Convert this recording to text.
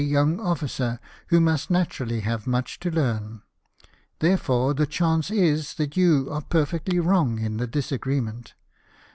273 young officer, who must naturally have much to learn ; therefore the chance is that you are perfectly wrong m the disagreement.